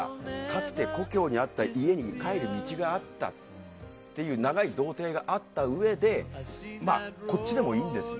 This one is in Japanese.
かつて、故郷に帰る道があったという長い道程があったうえでこっちでもいいんです。